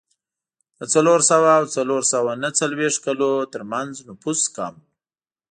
د څلور سوه او څلور سوه نهه څلوېښت کلونو ترمنځ نفوس کم و.